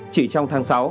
chỉ trong tháng sáu